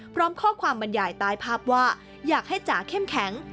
พร้อมข้อความบรรยายใต้ภาพว่าอยากให้จ๋าเข้มแข็ง